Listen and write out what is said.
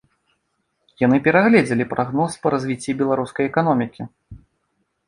Яны перагледзелі прагноз па развіцці беларускай эканомікі.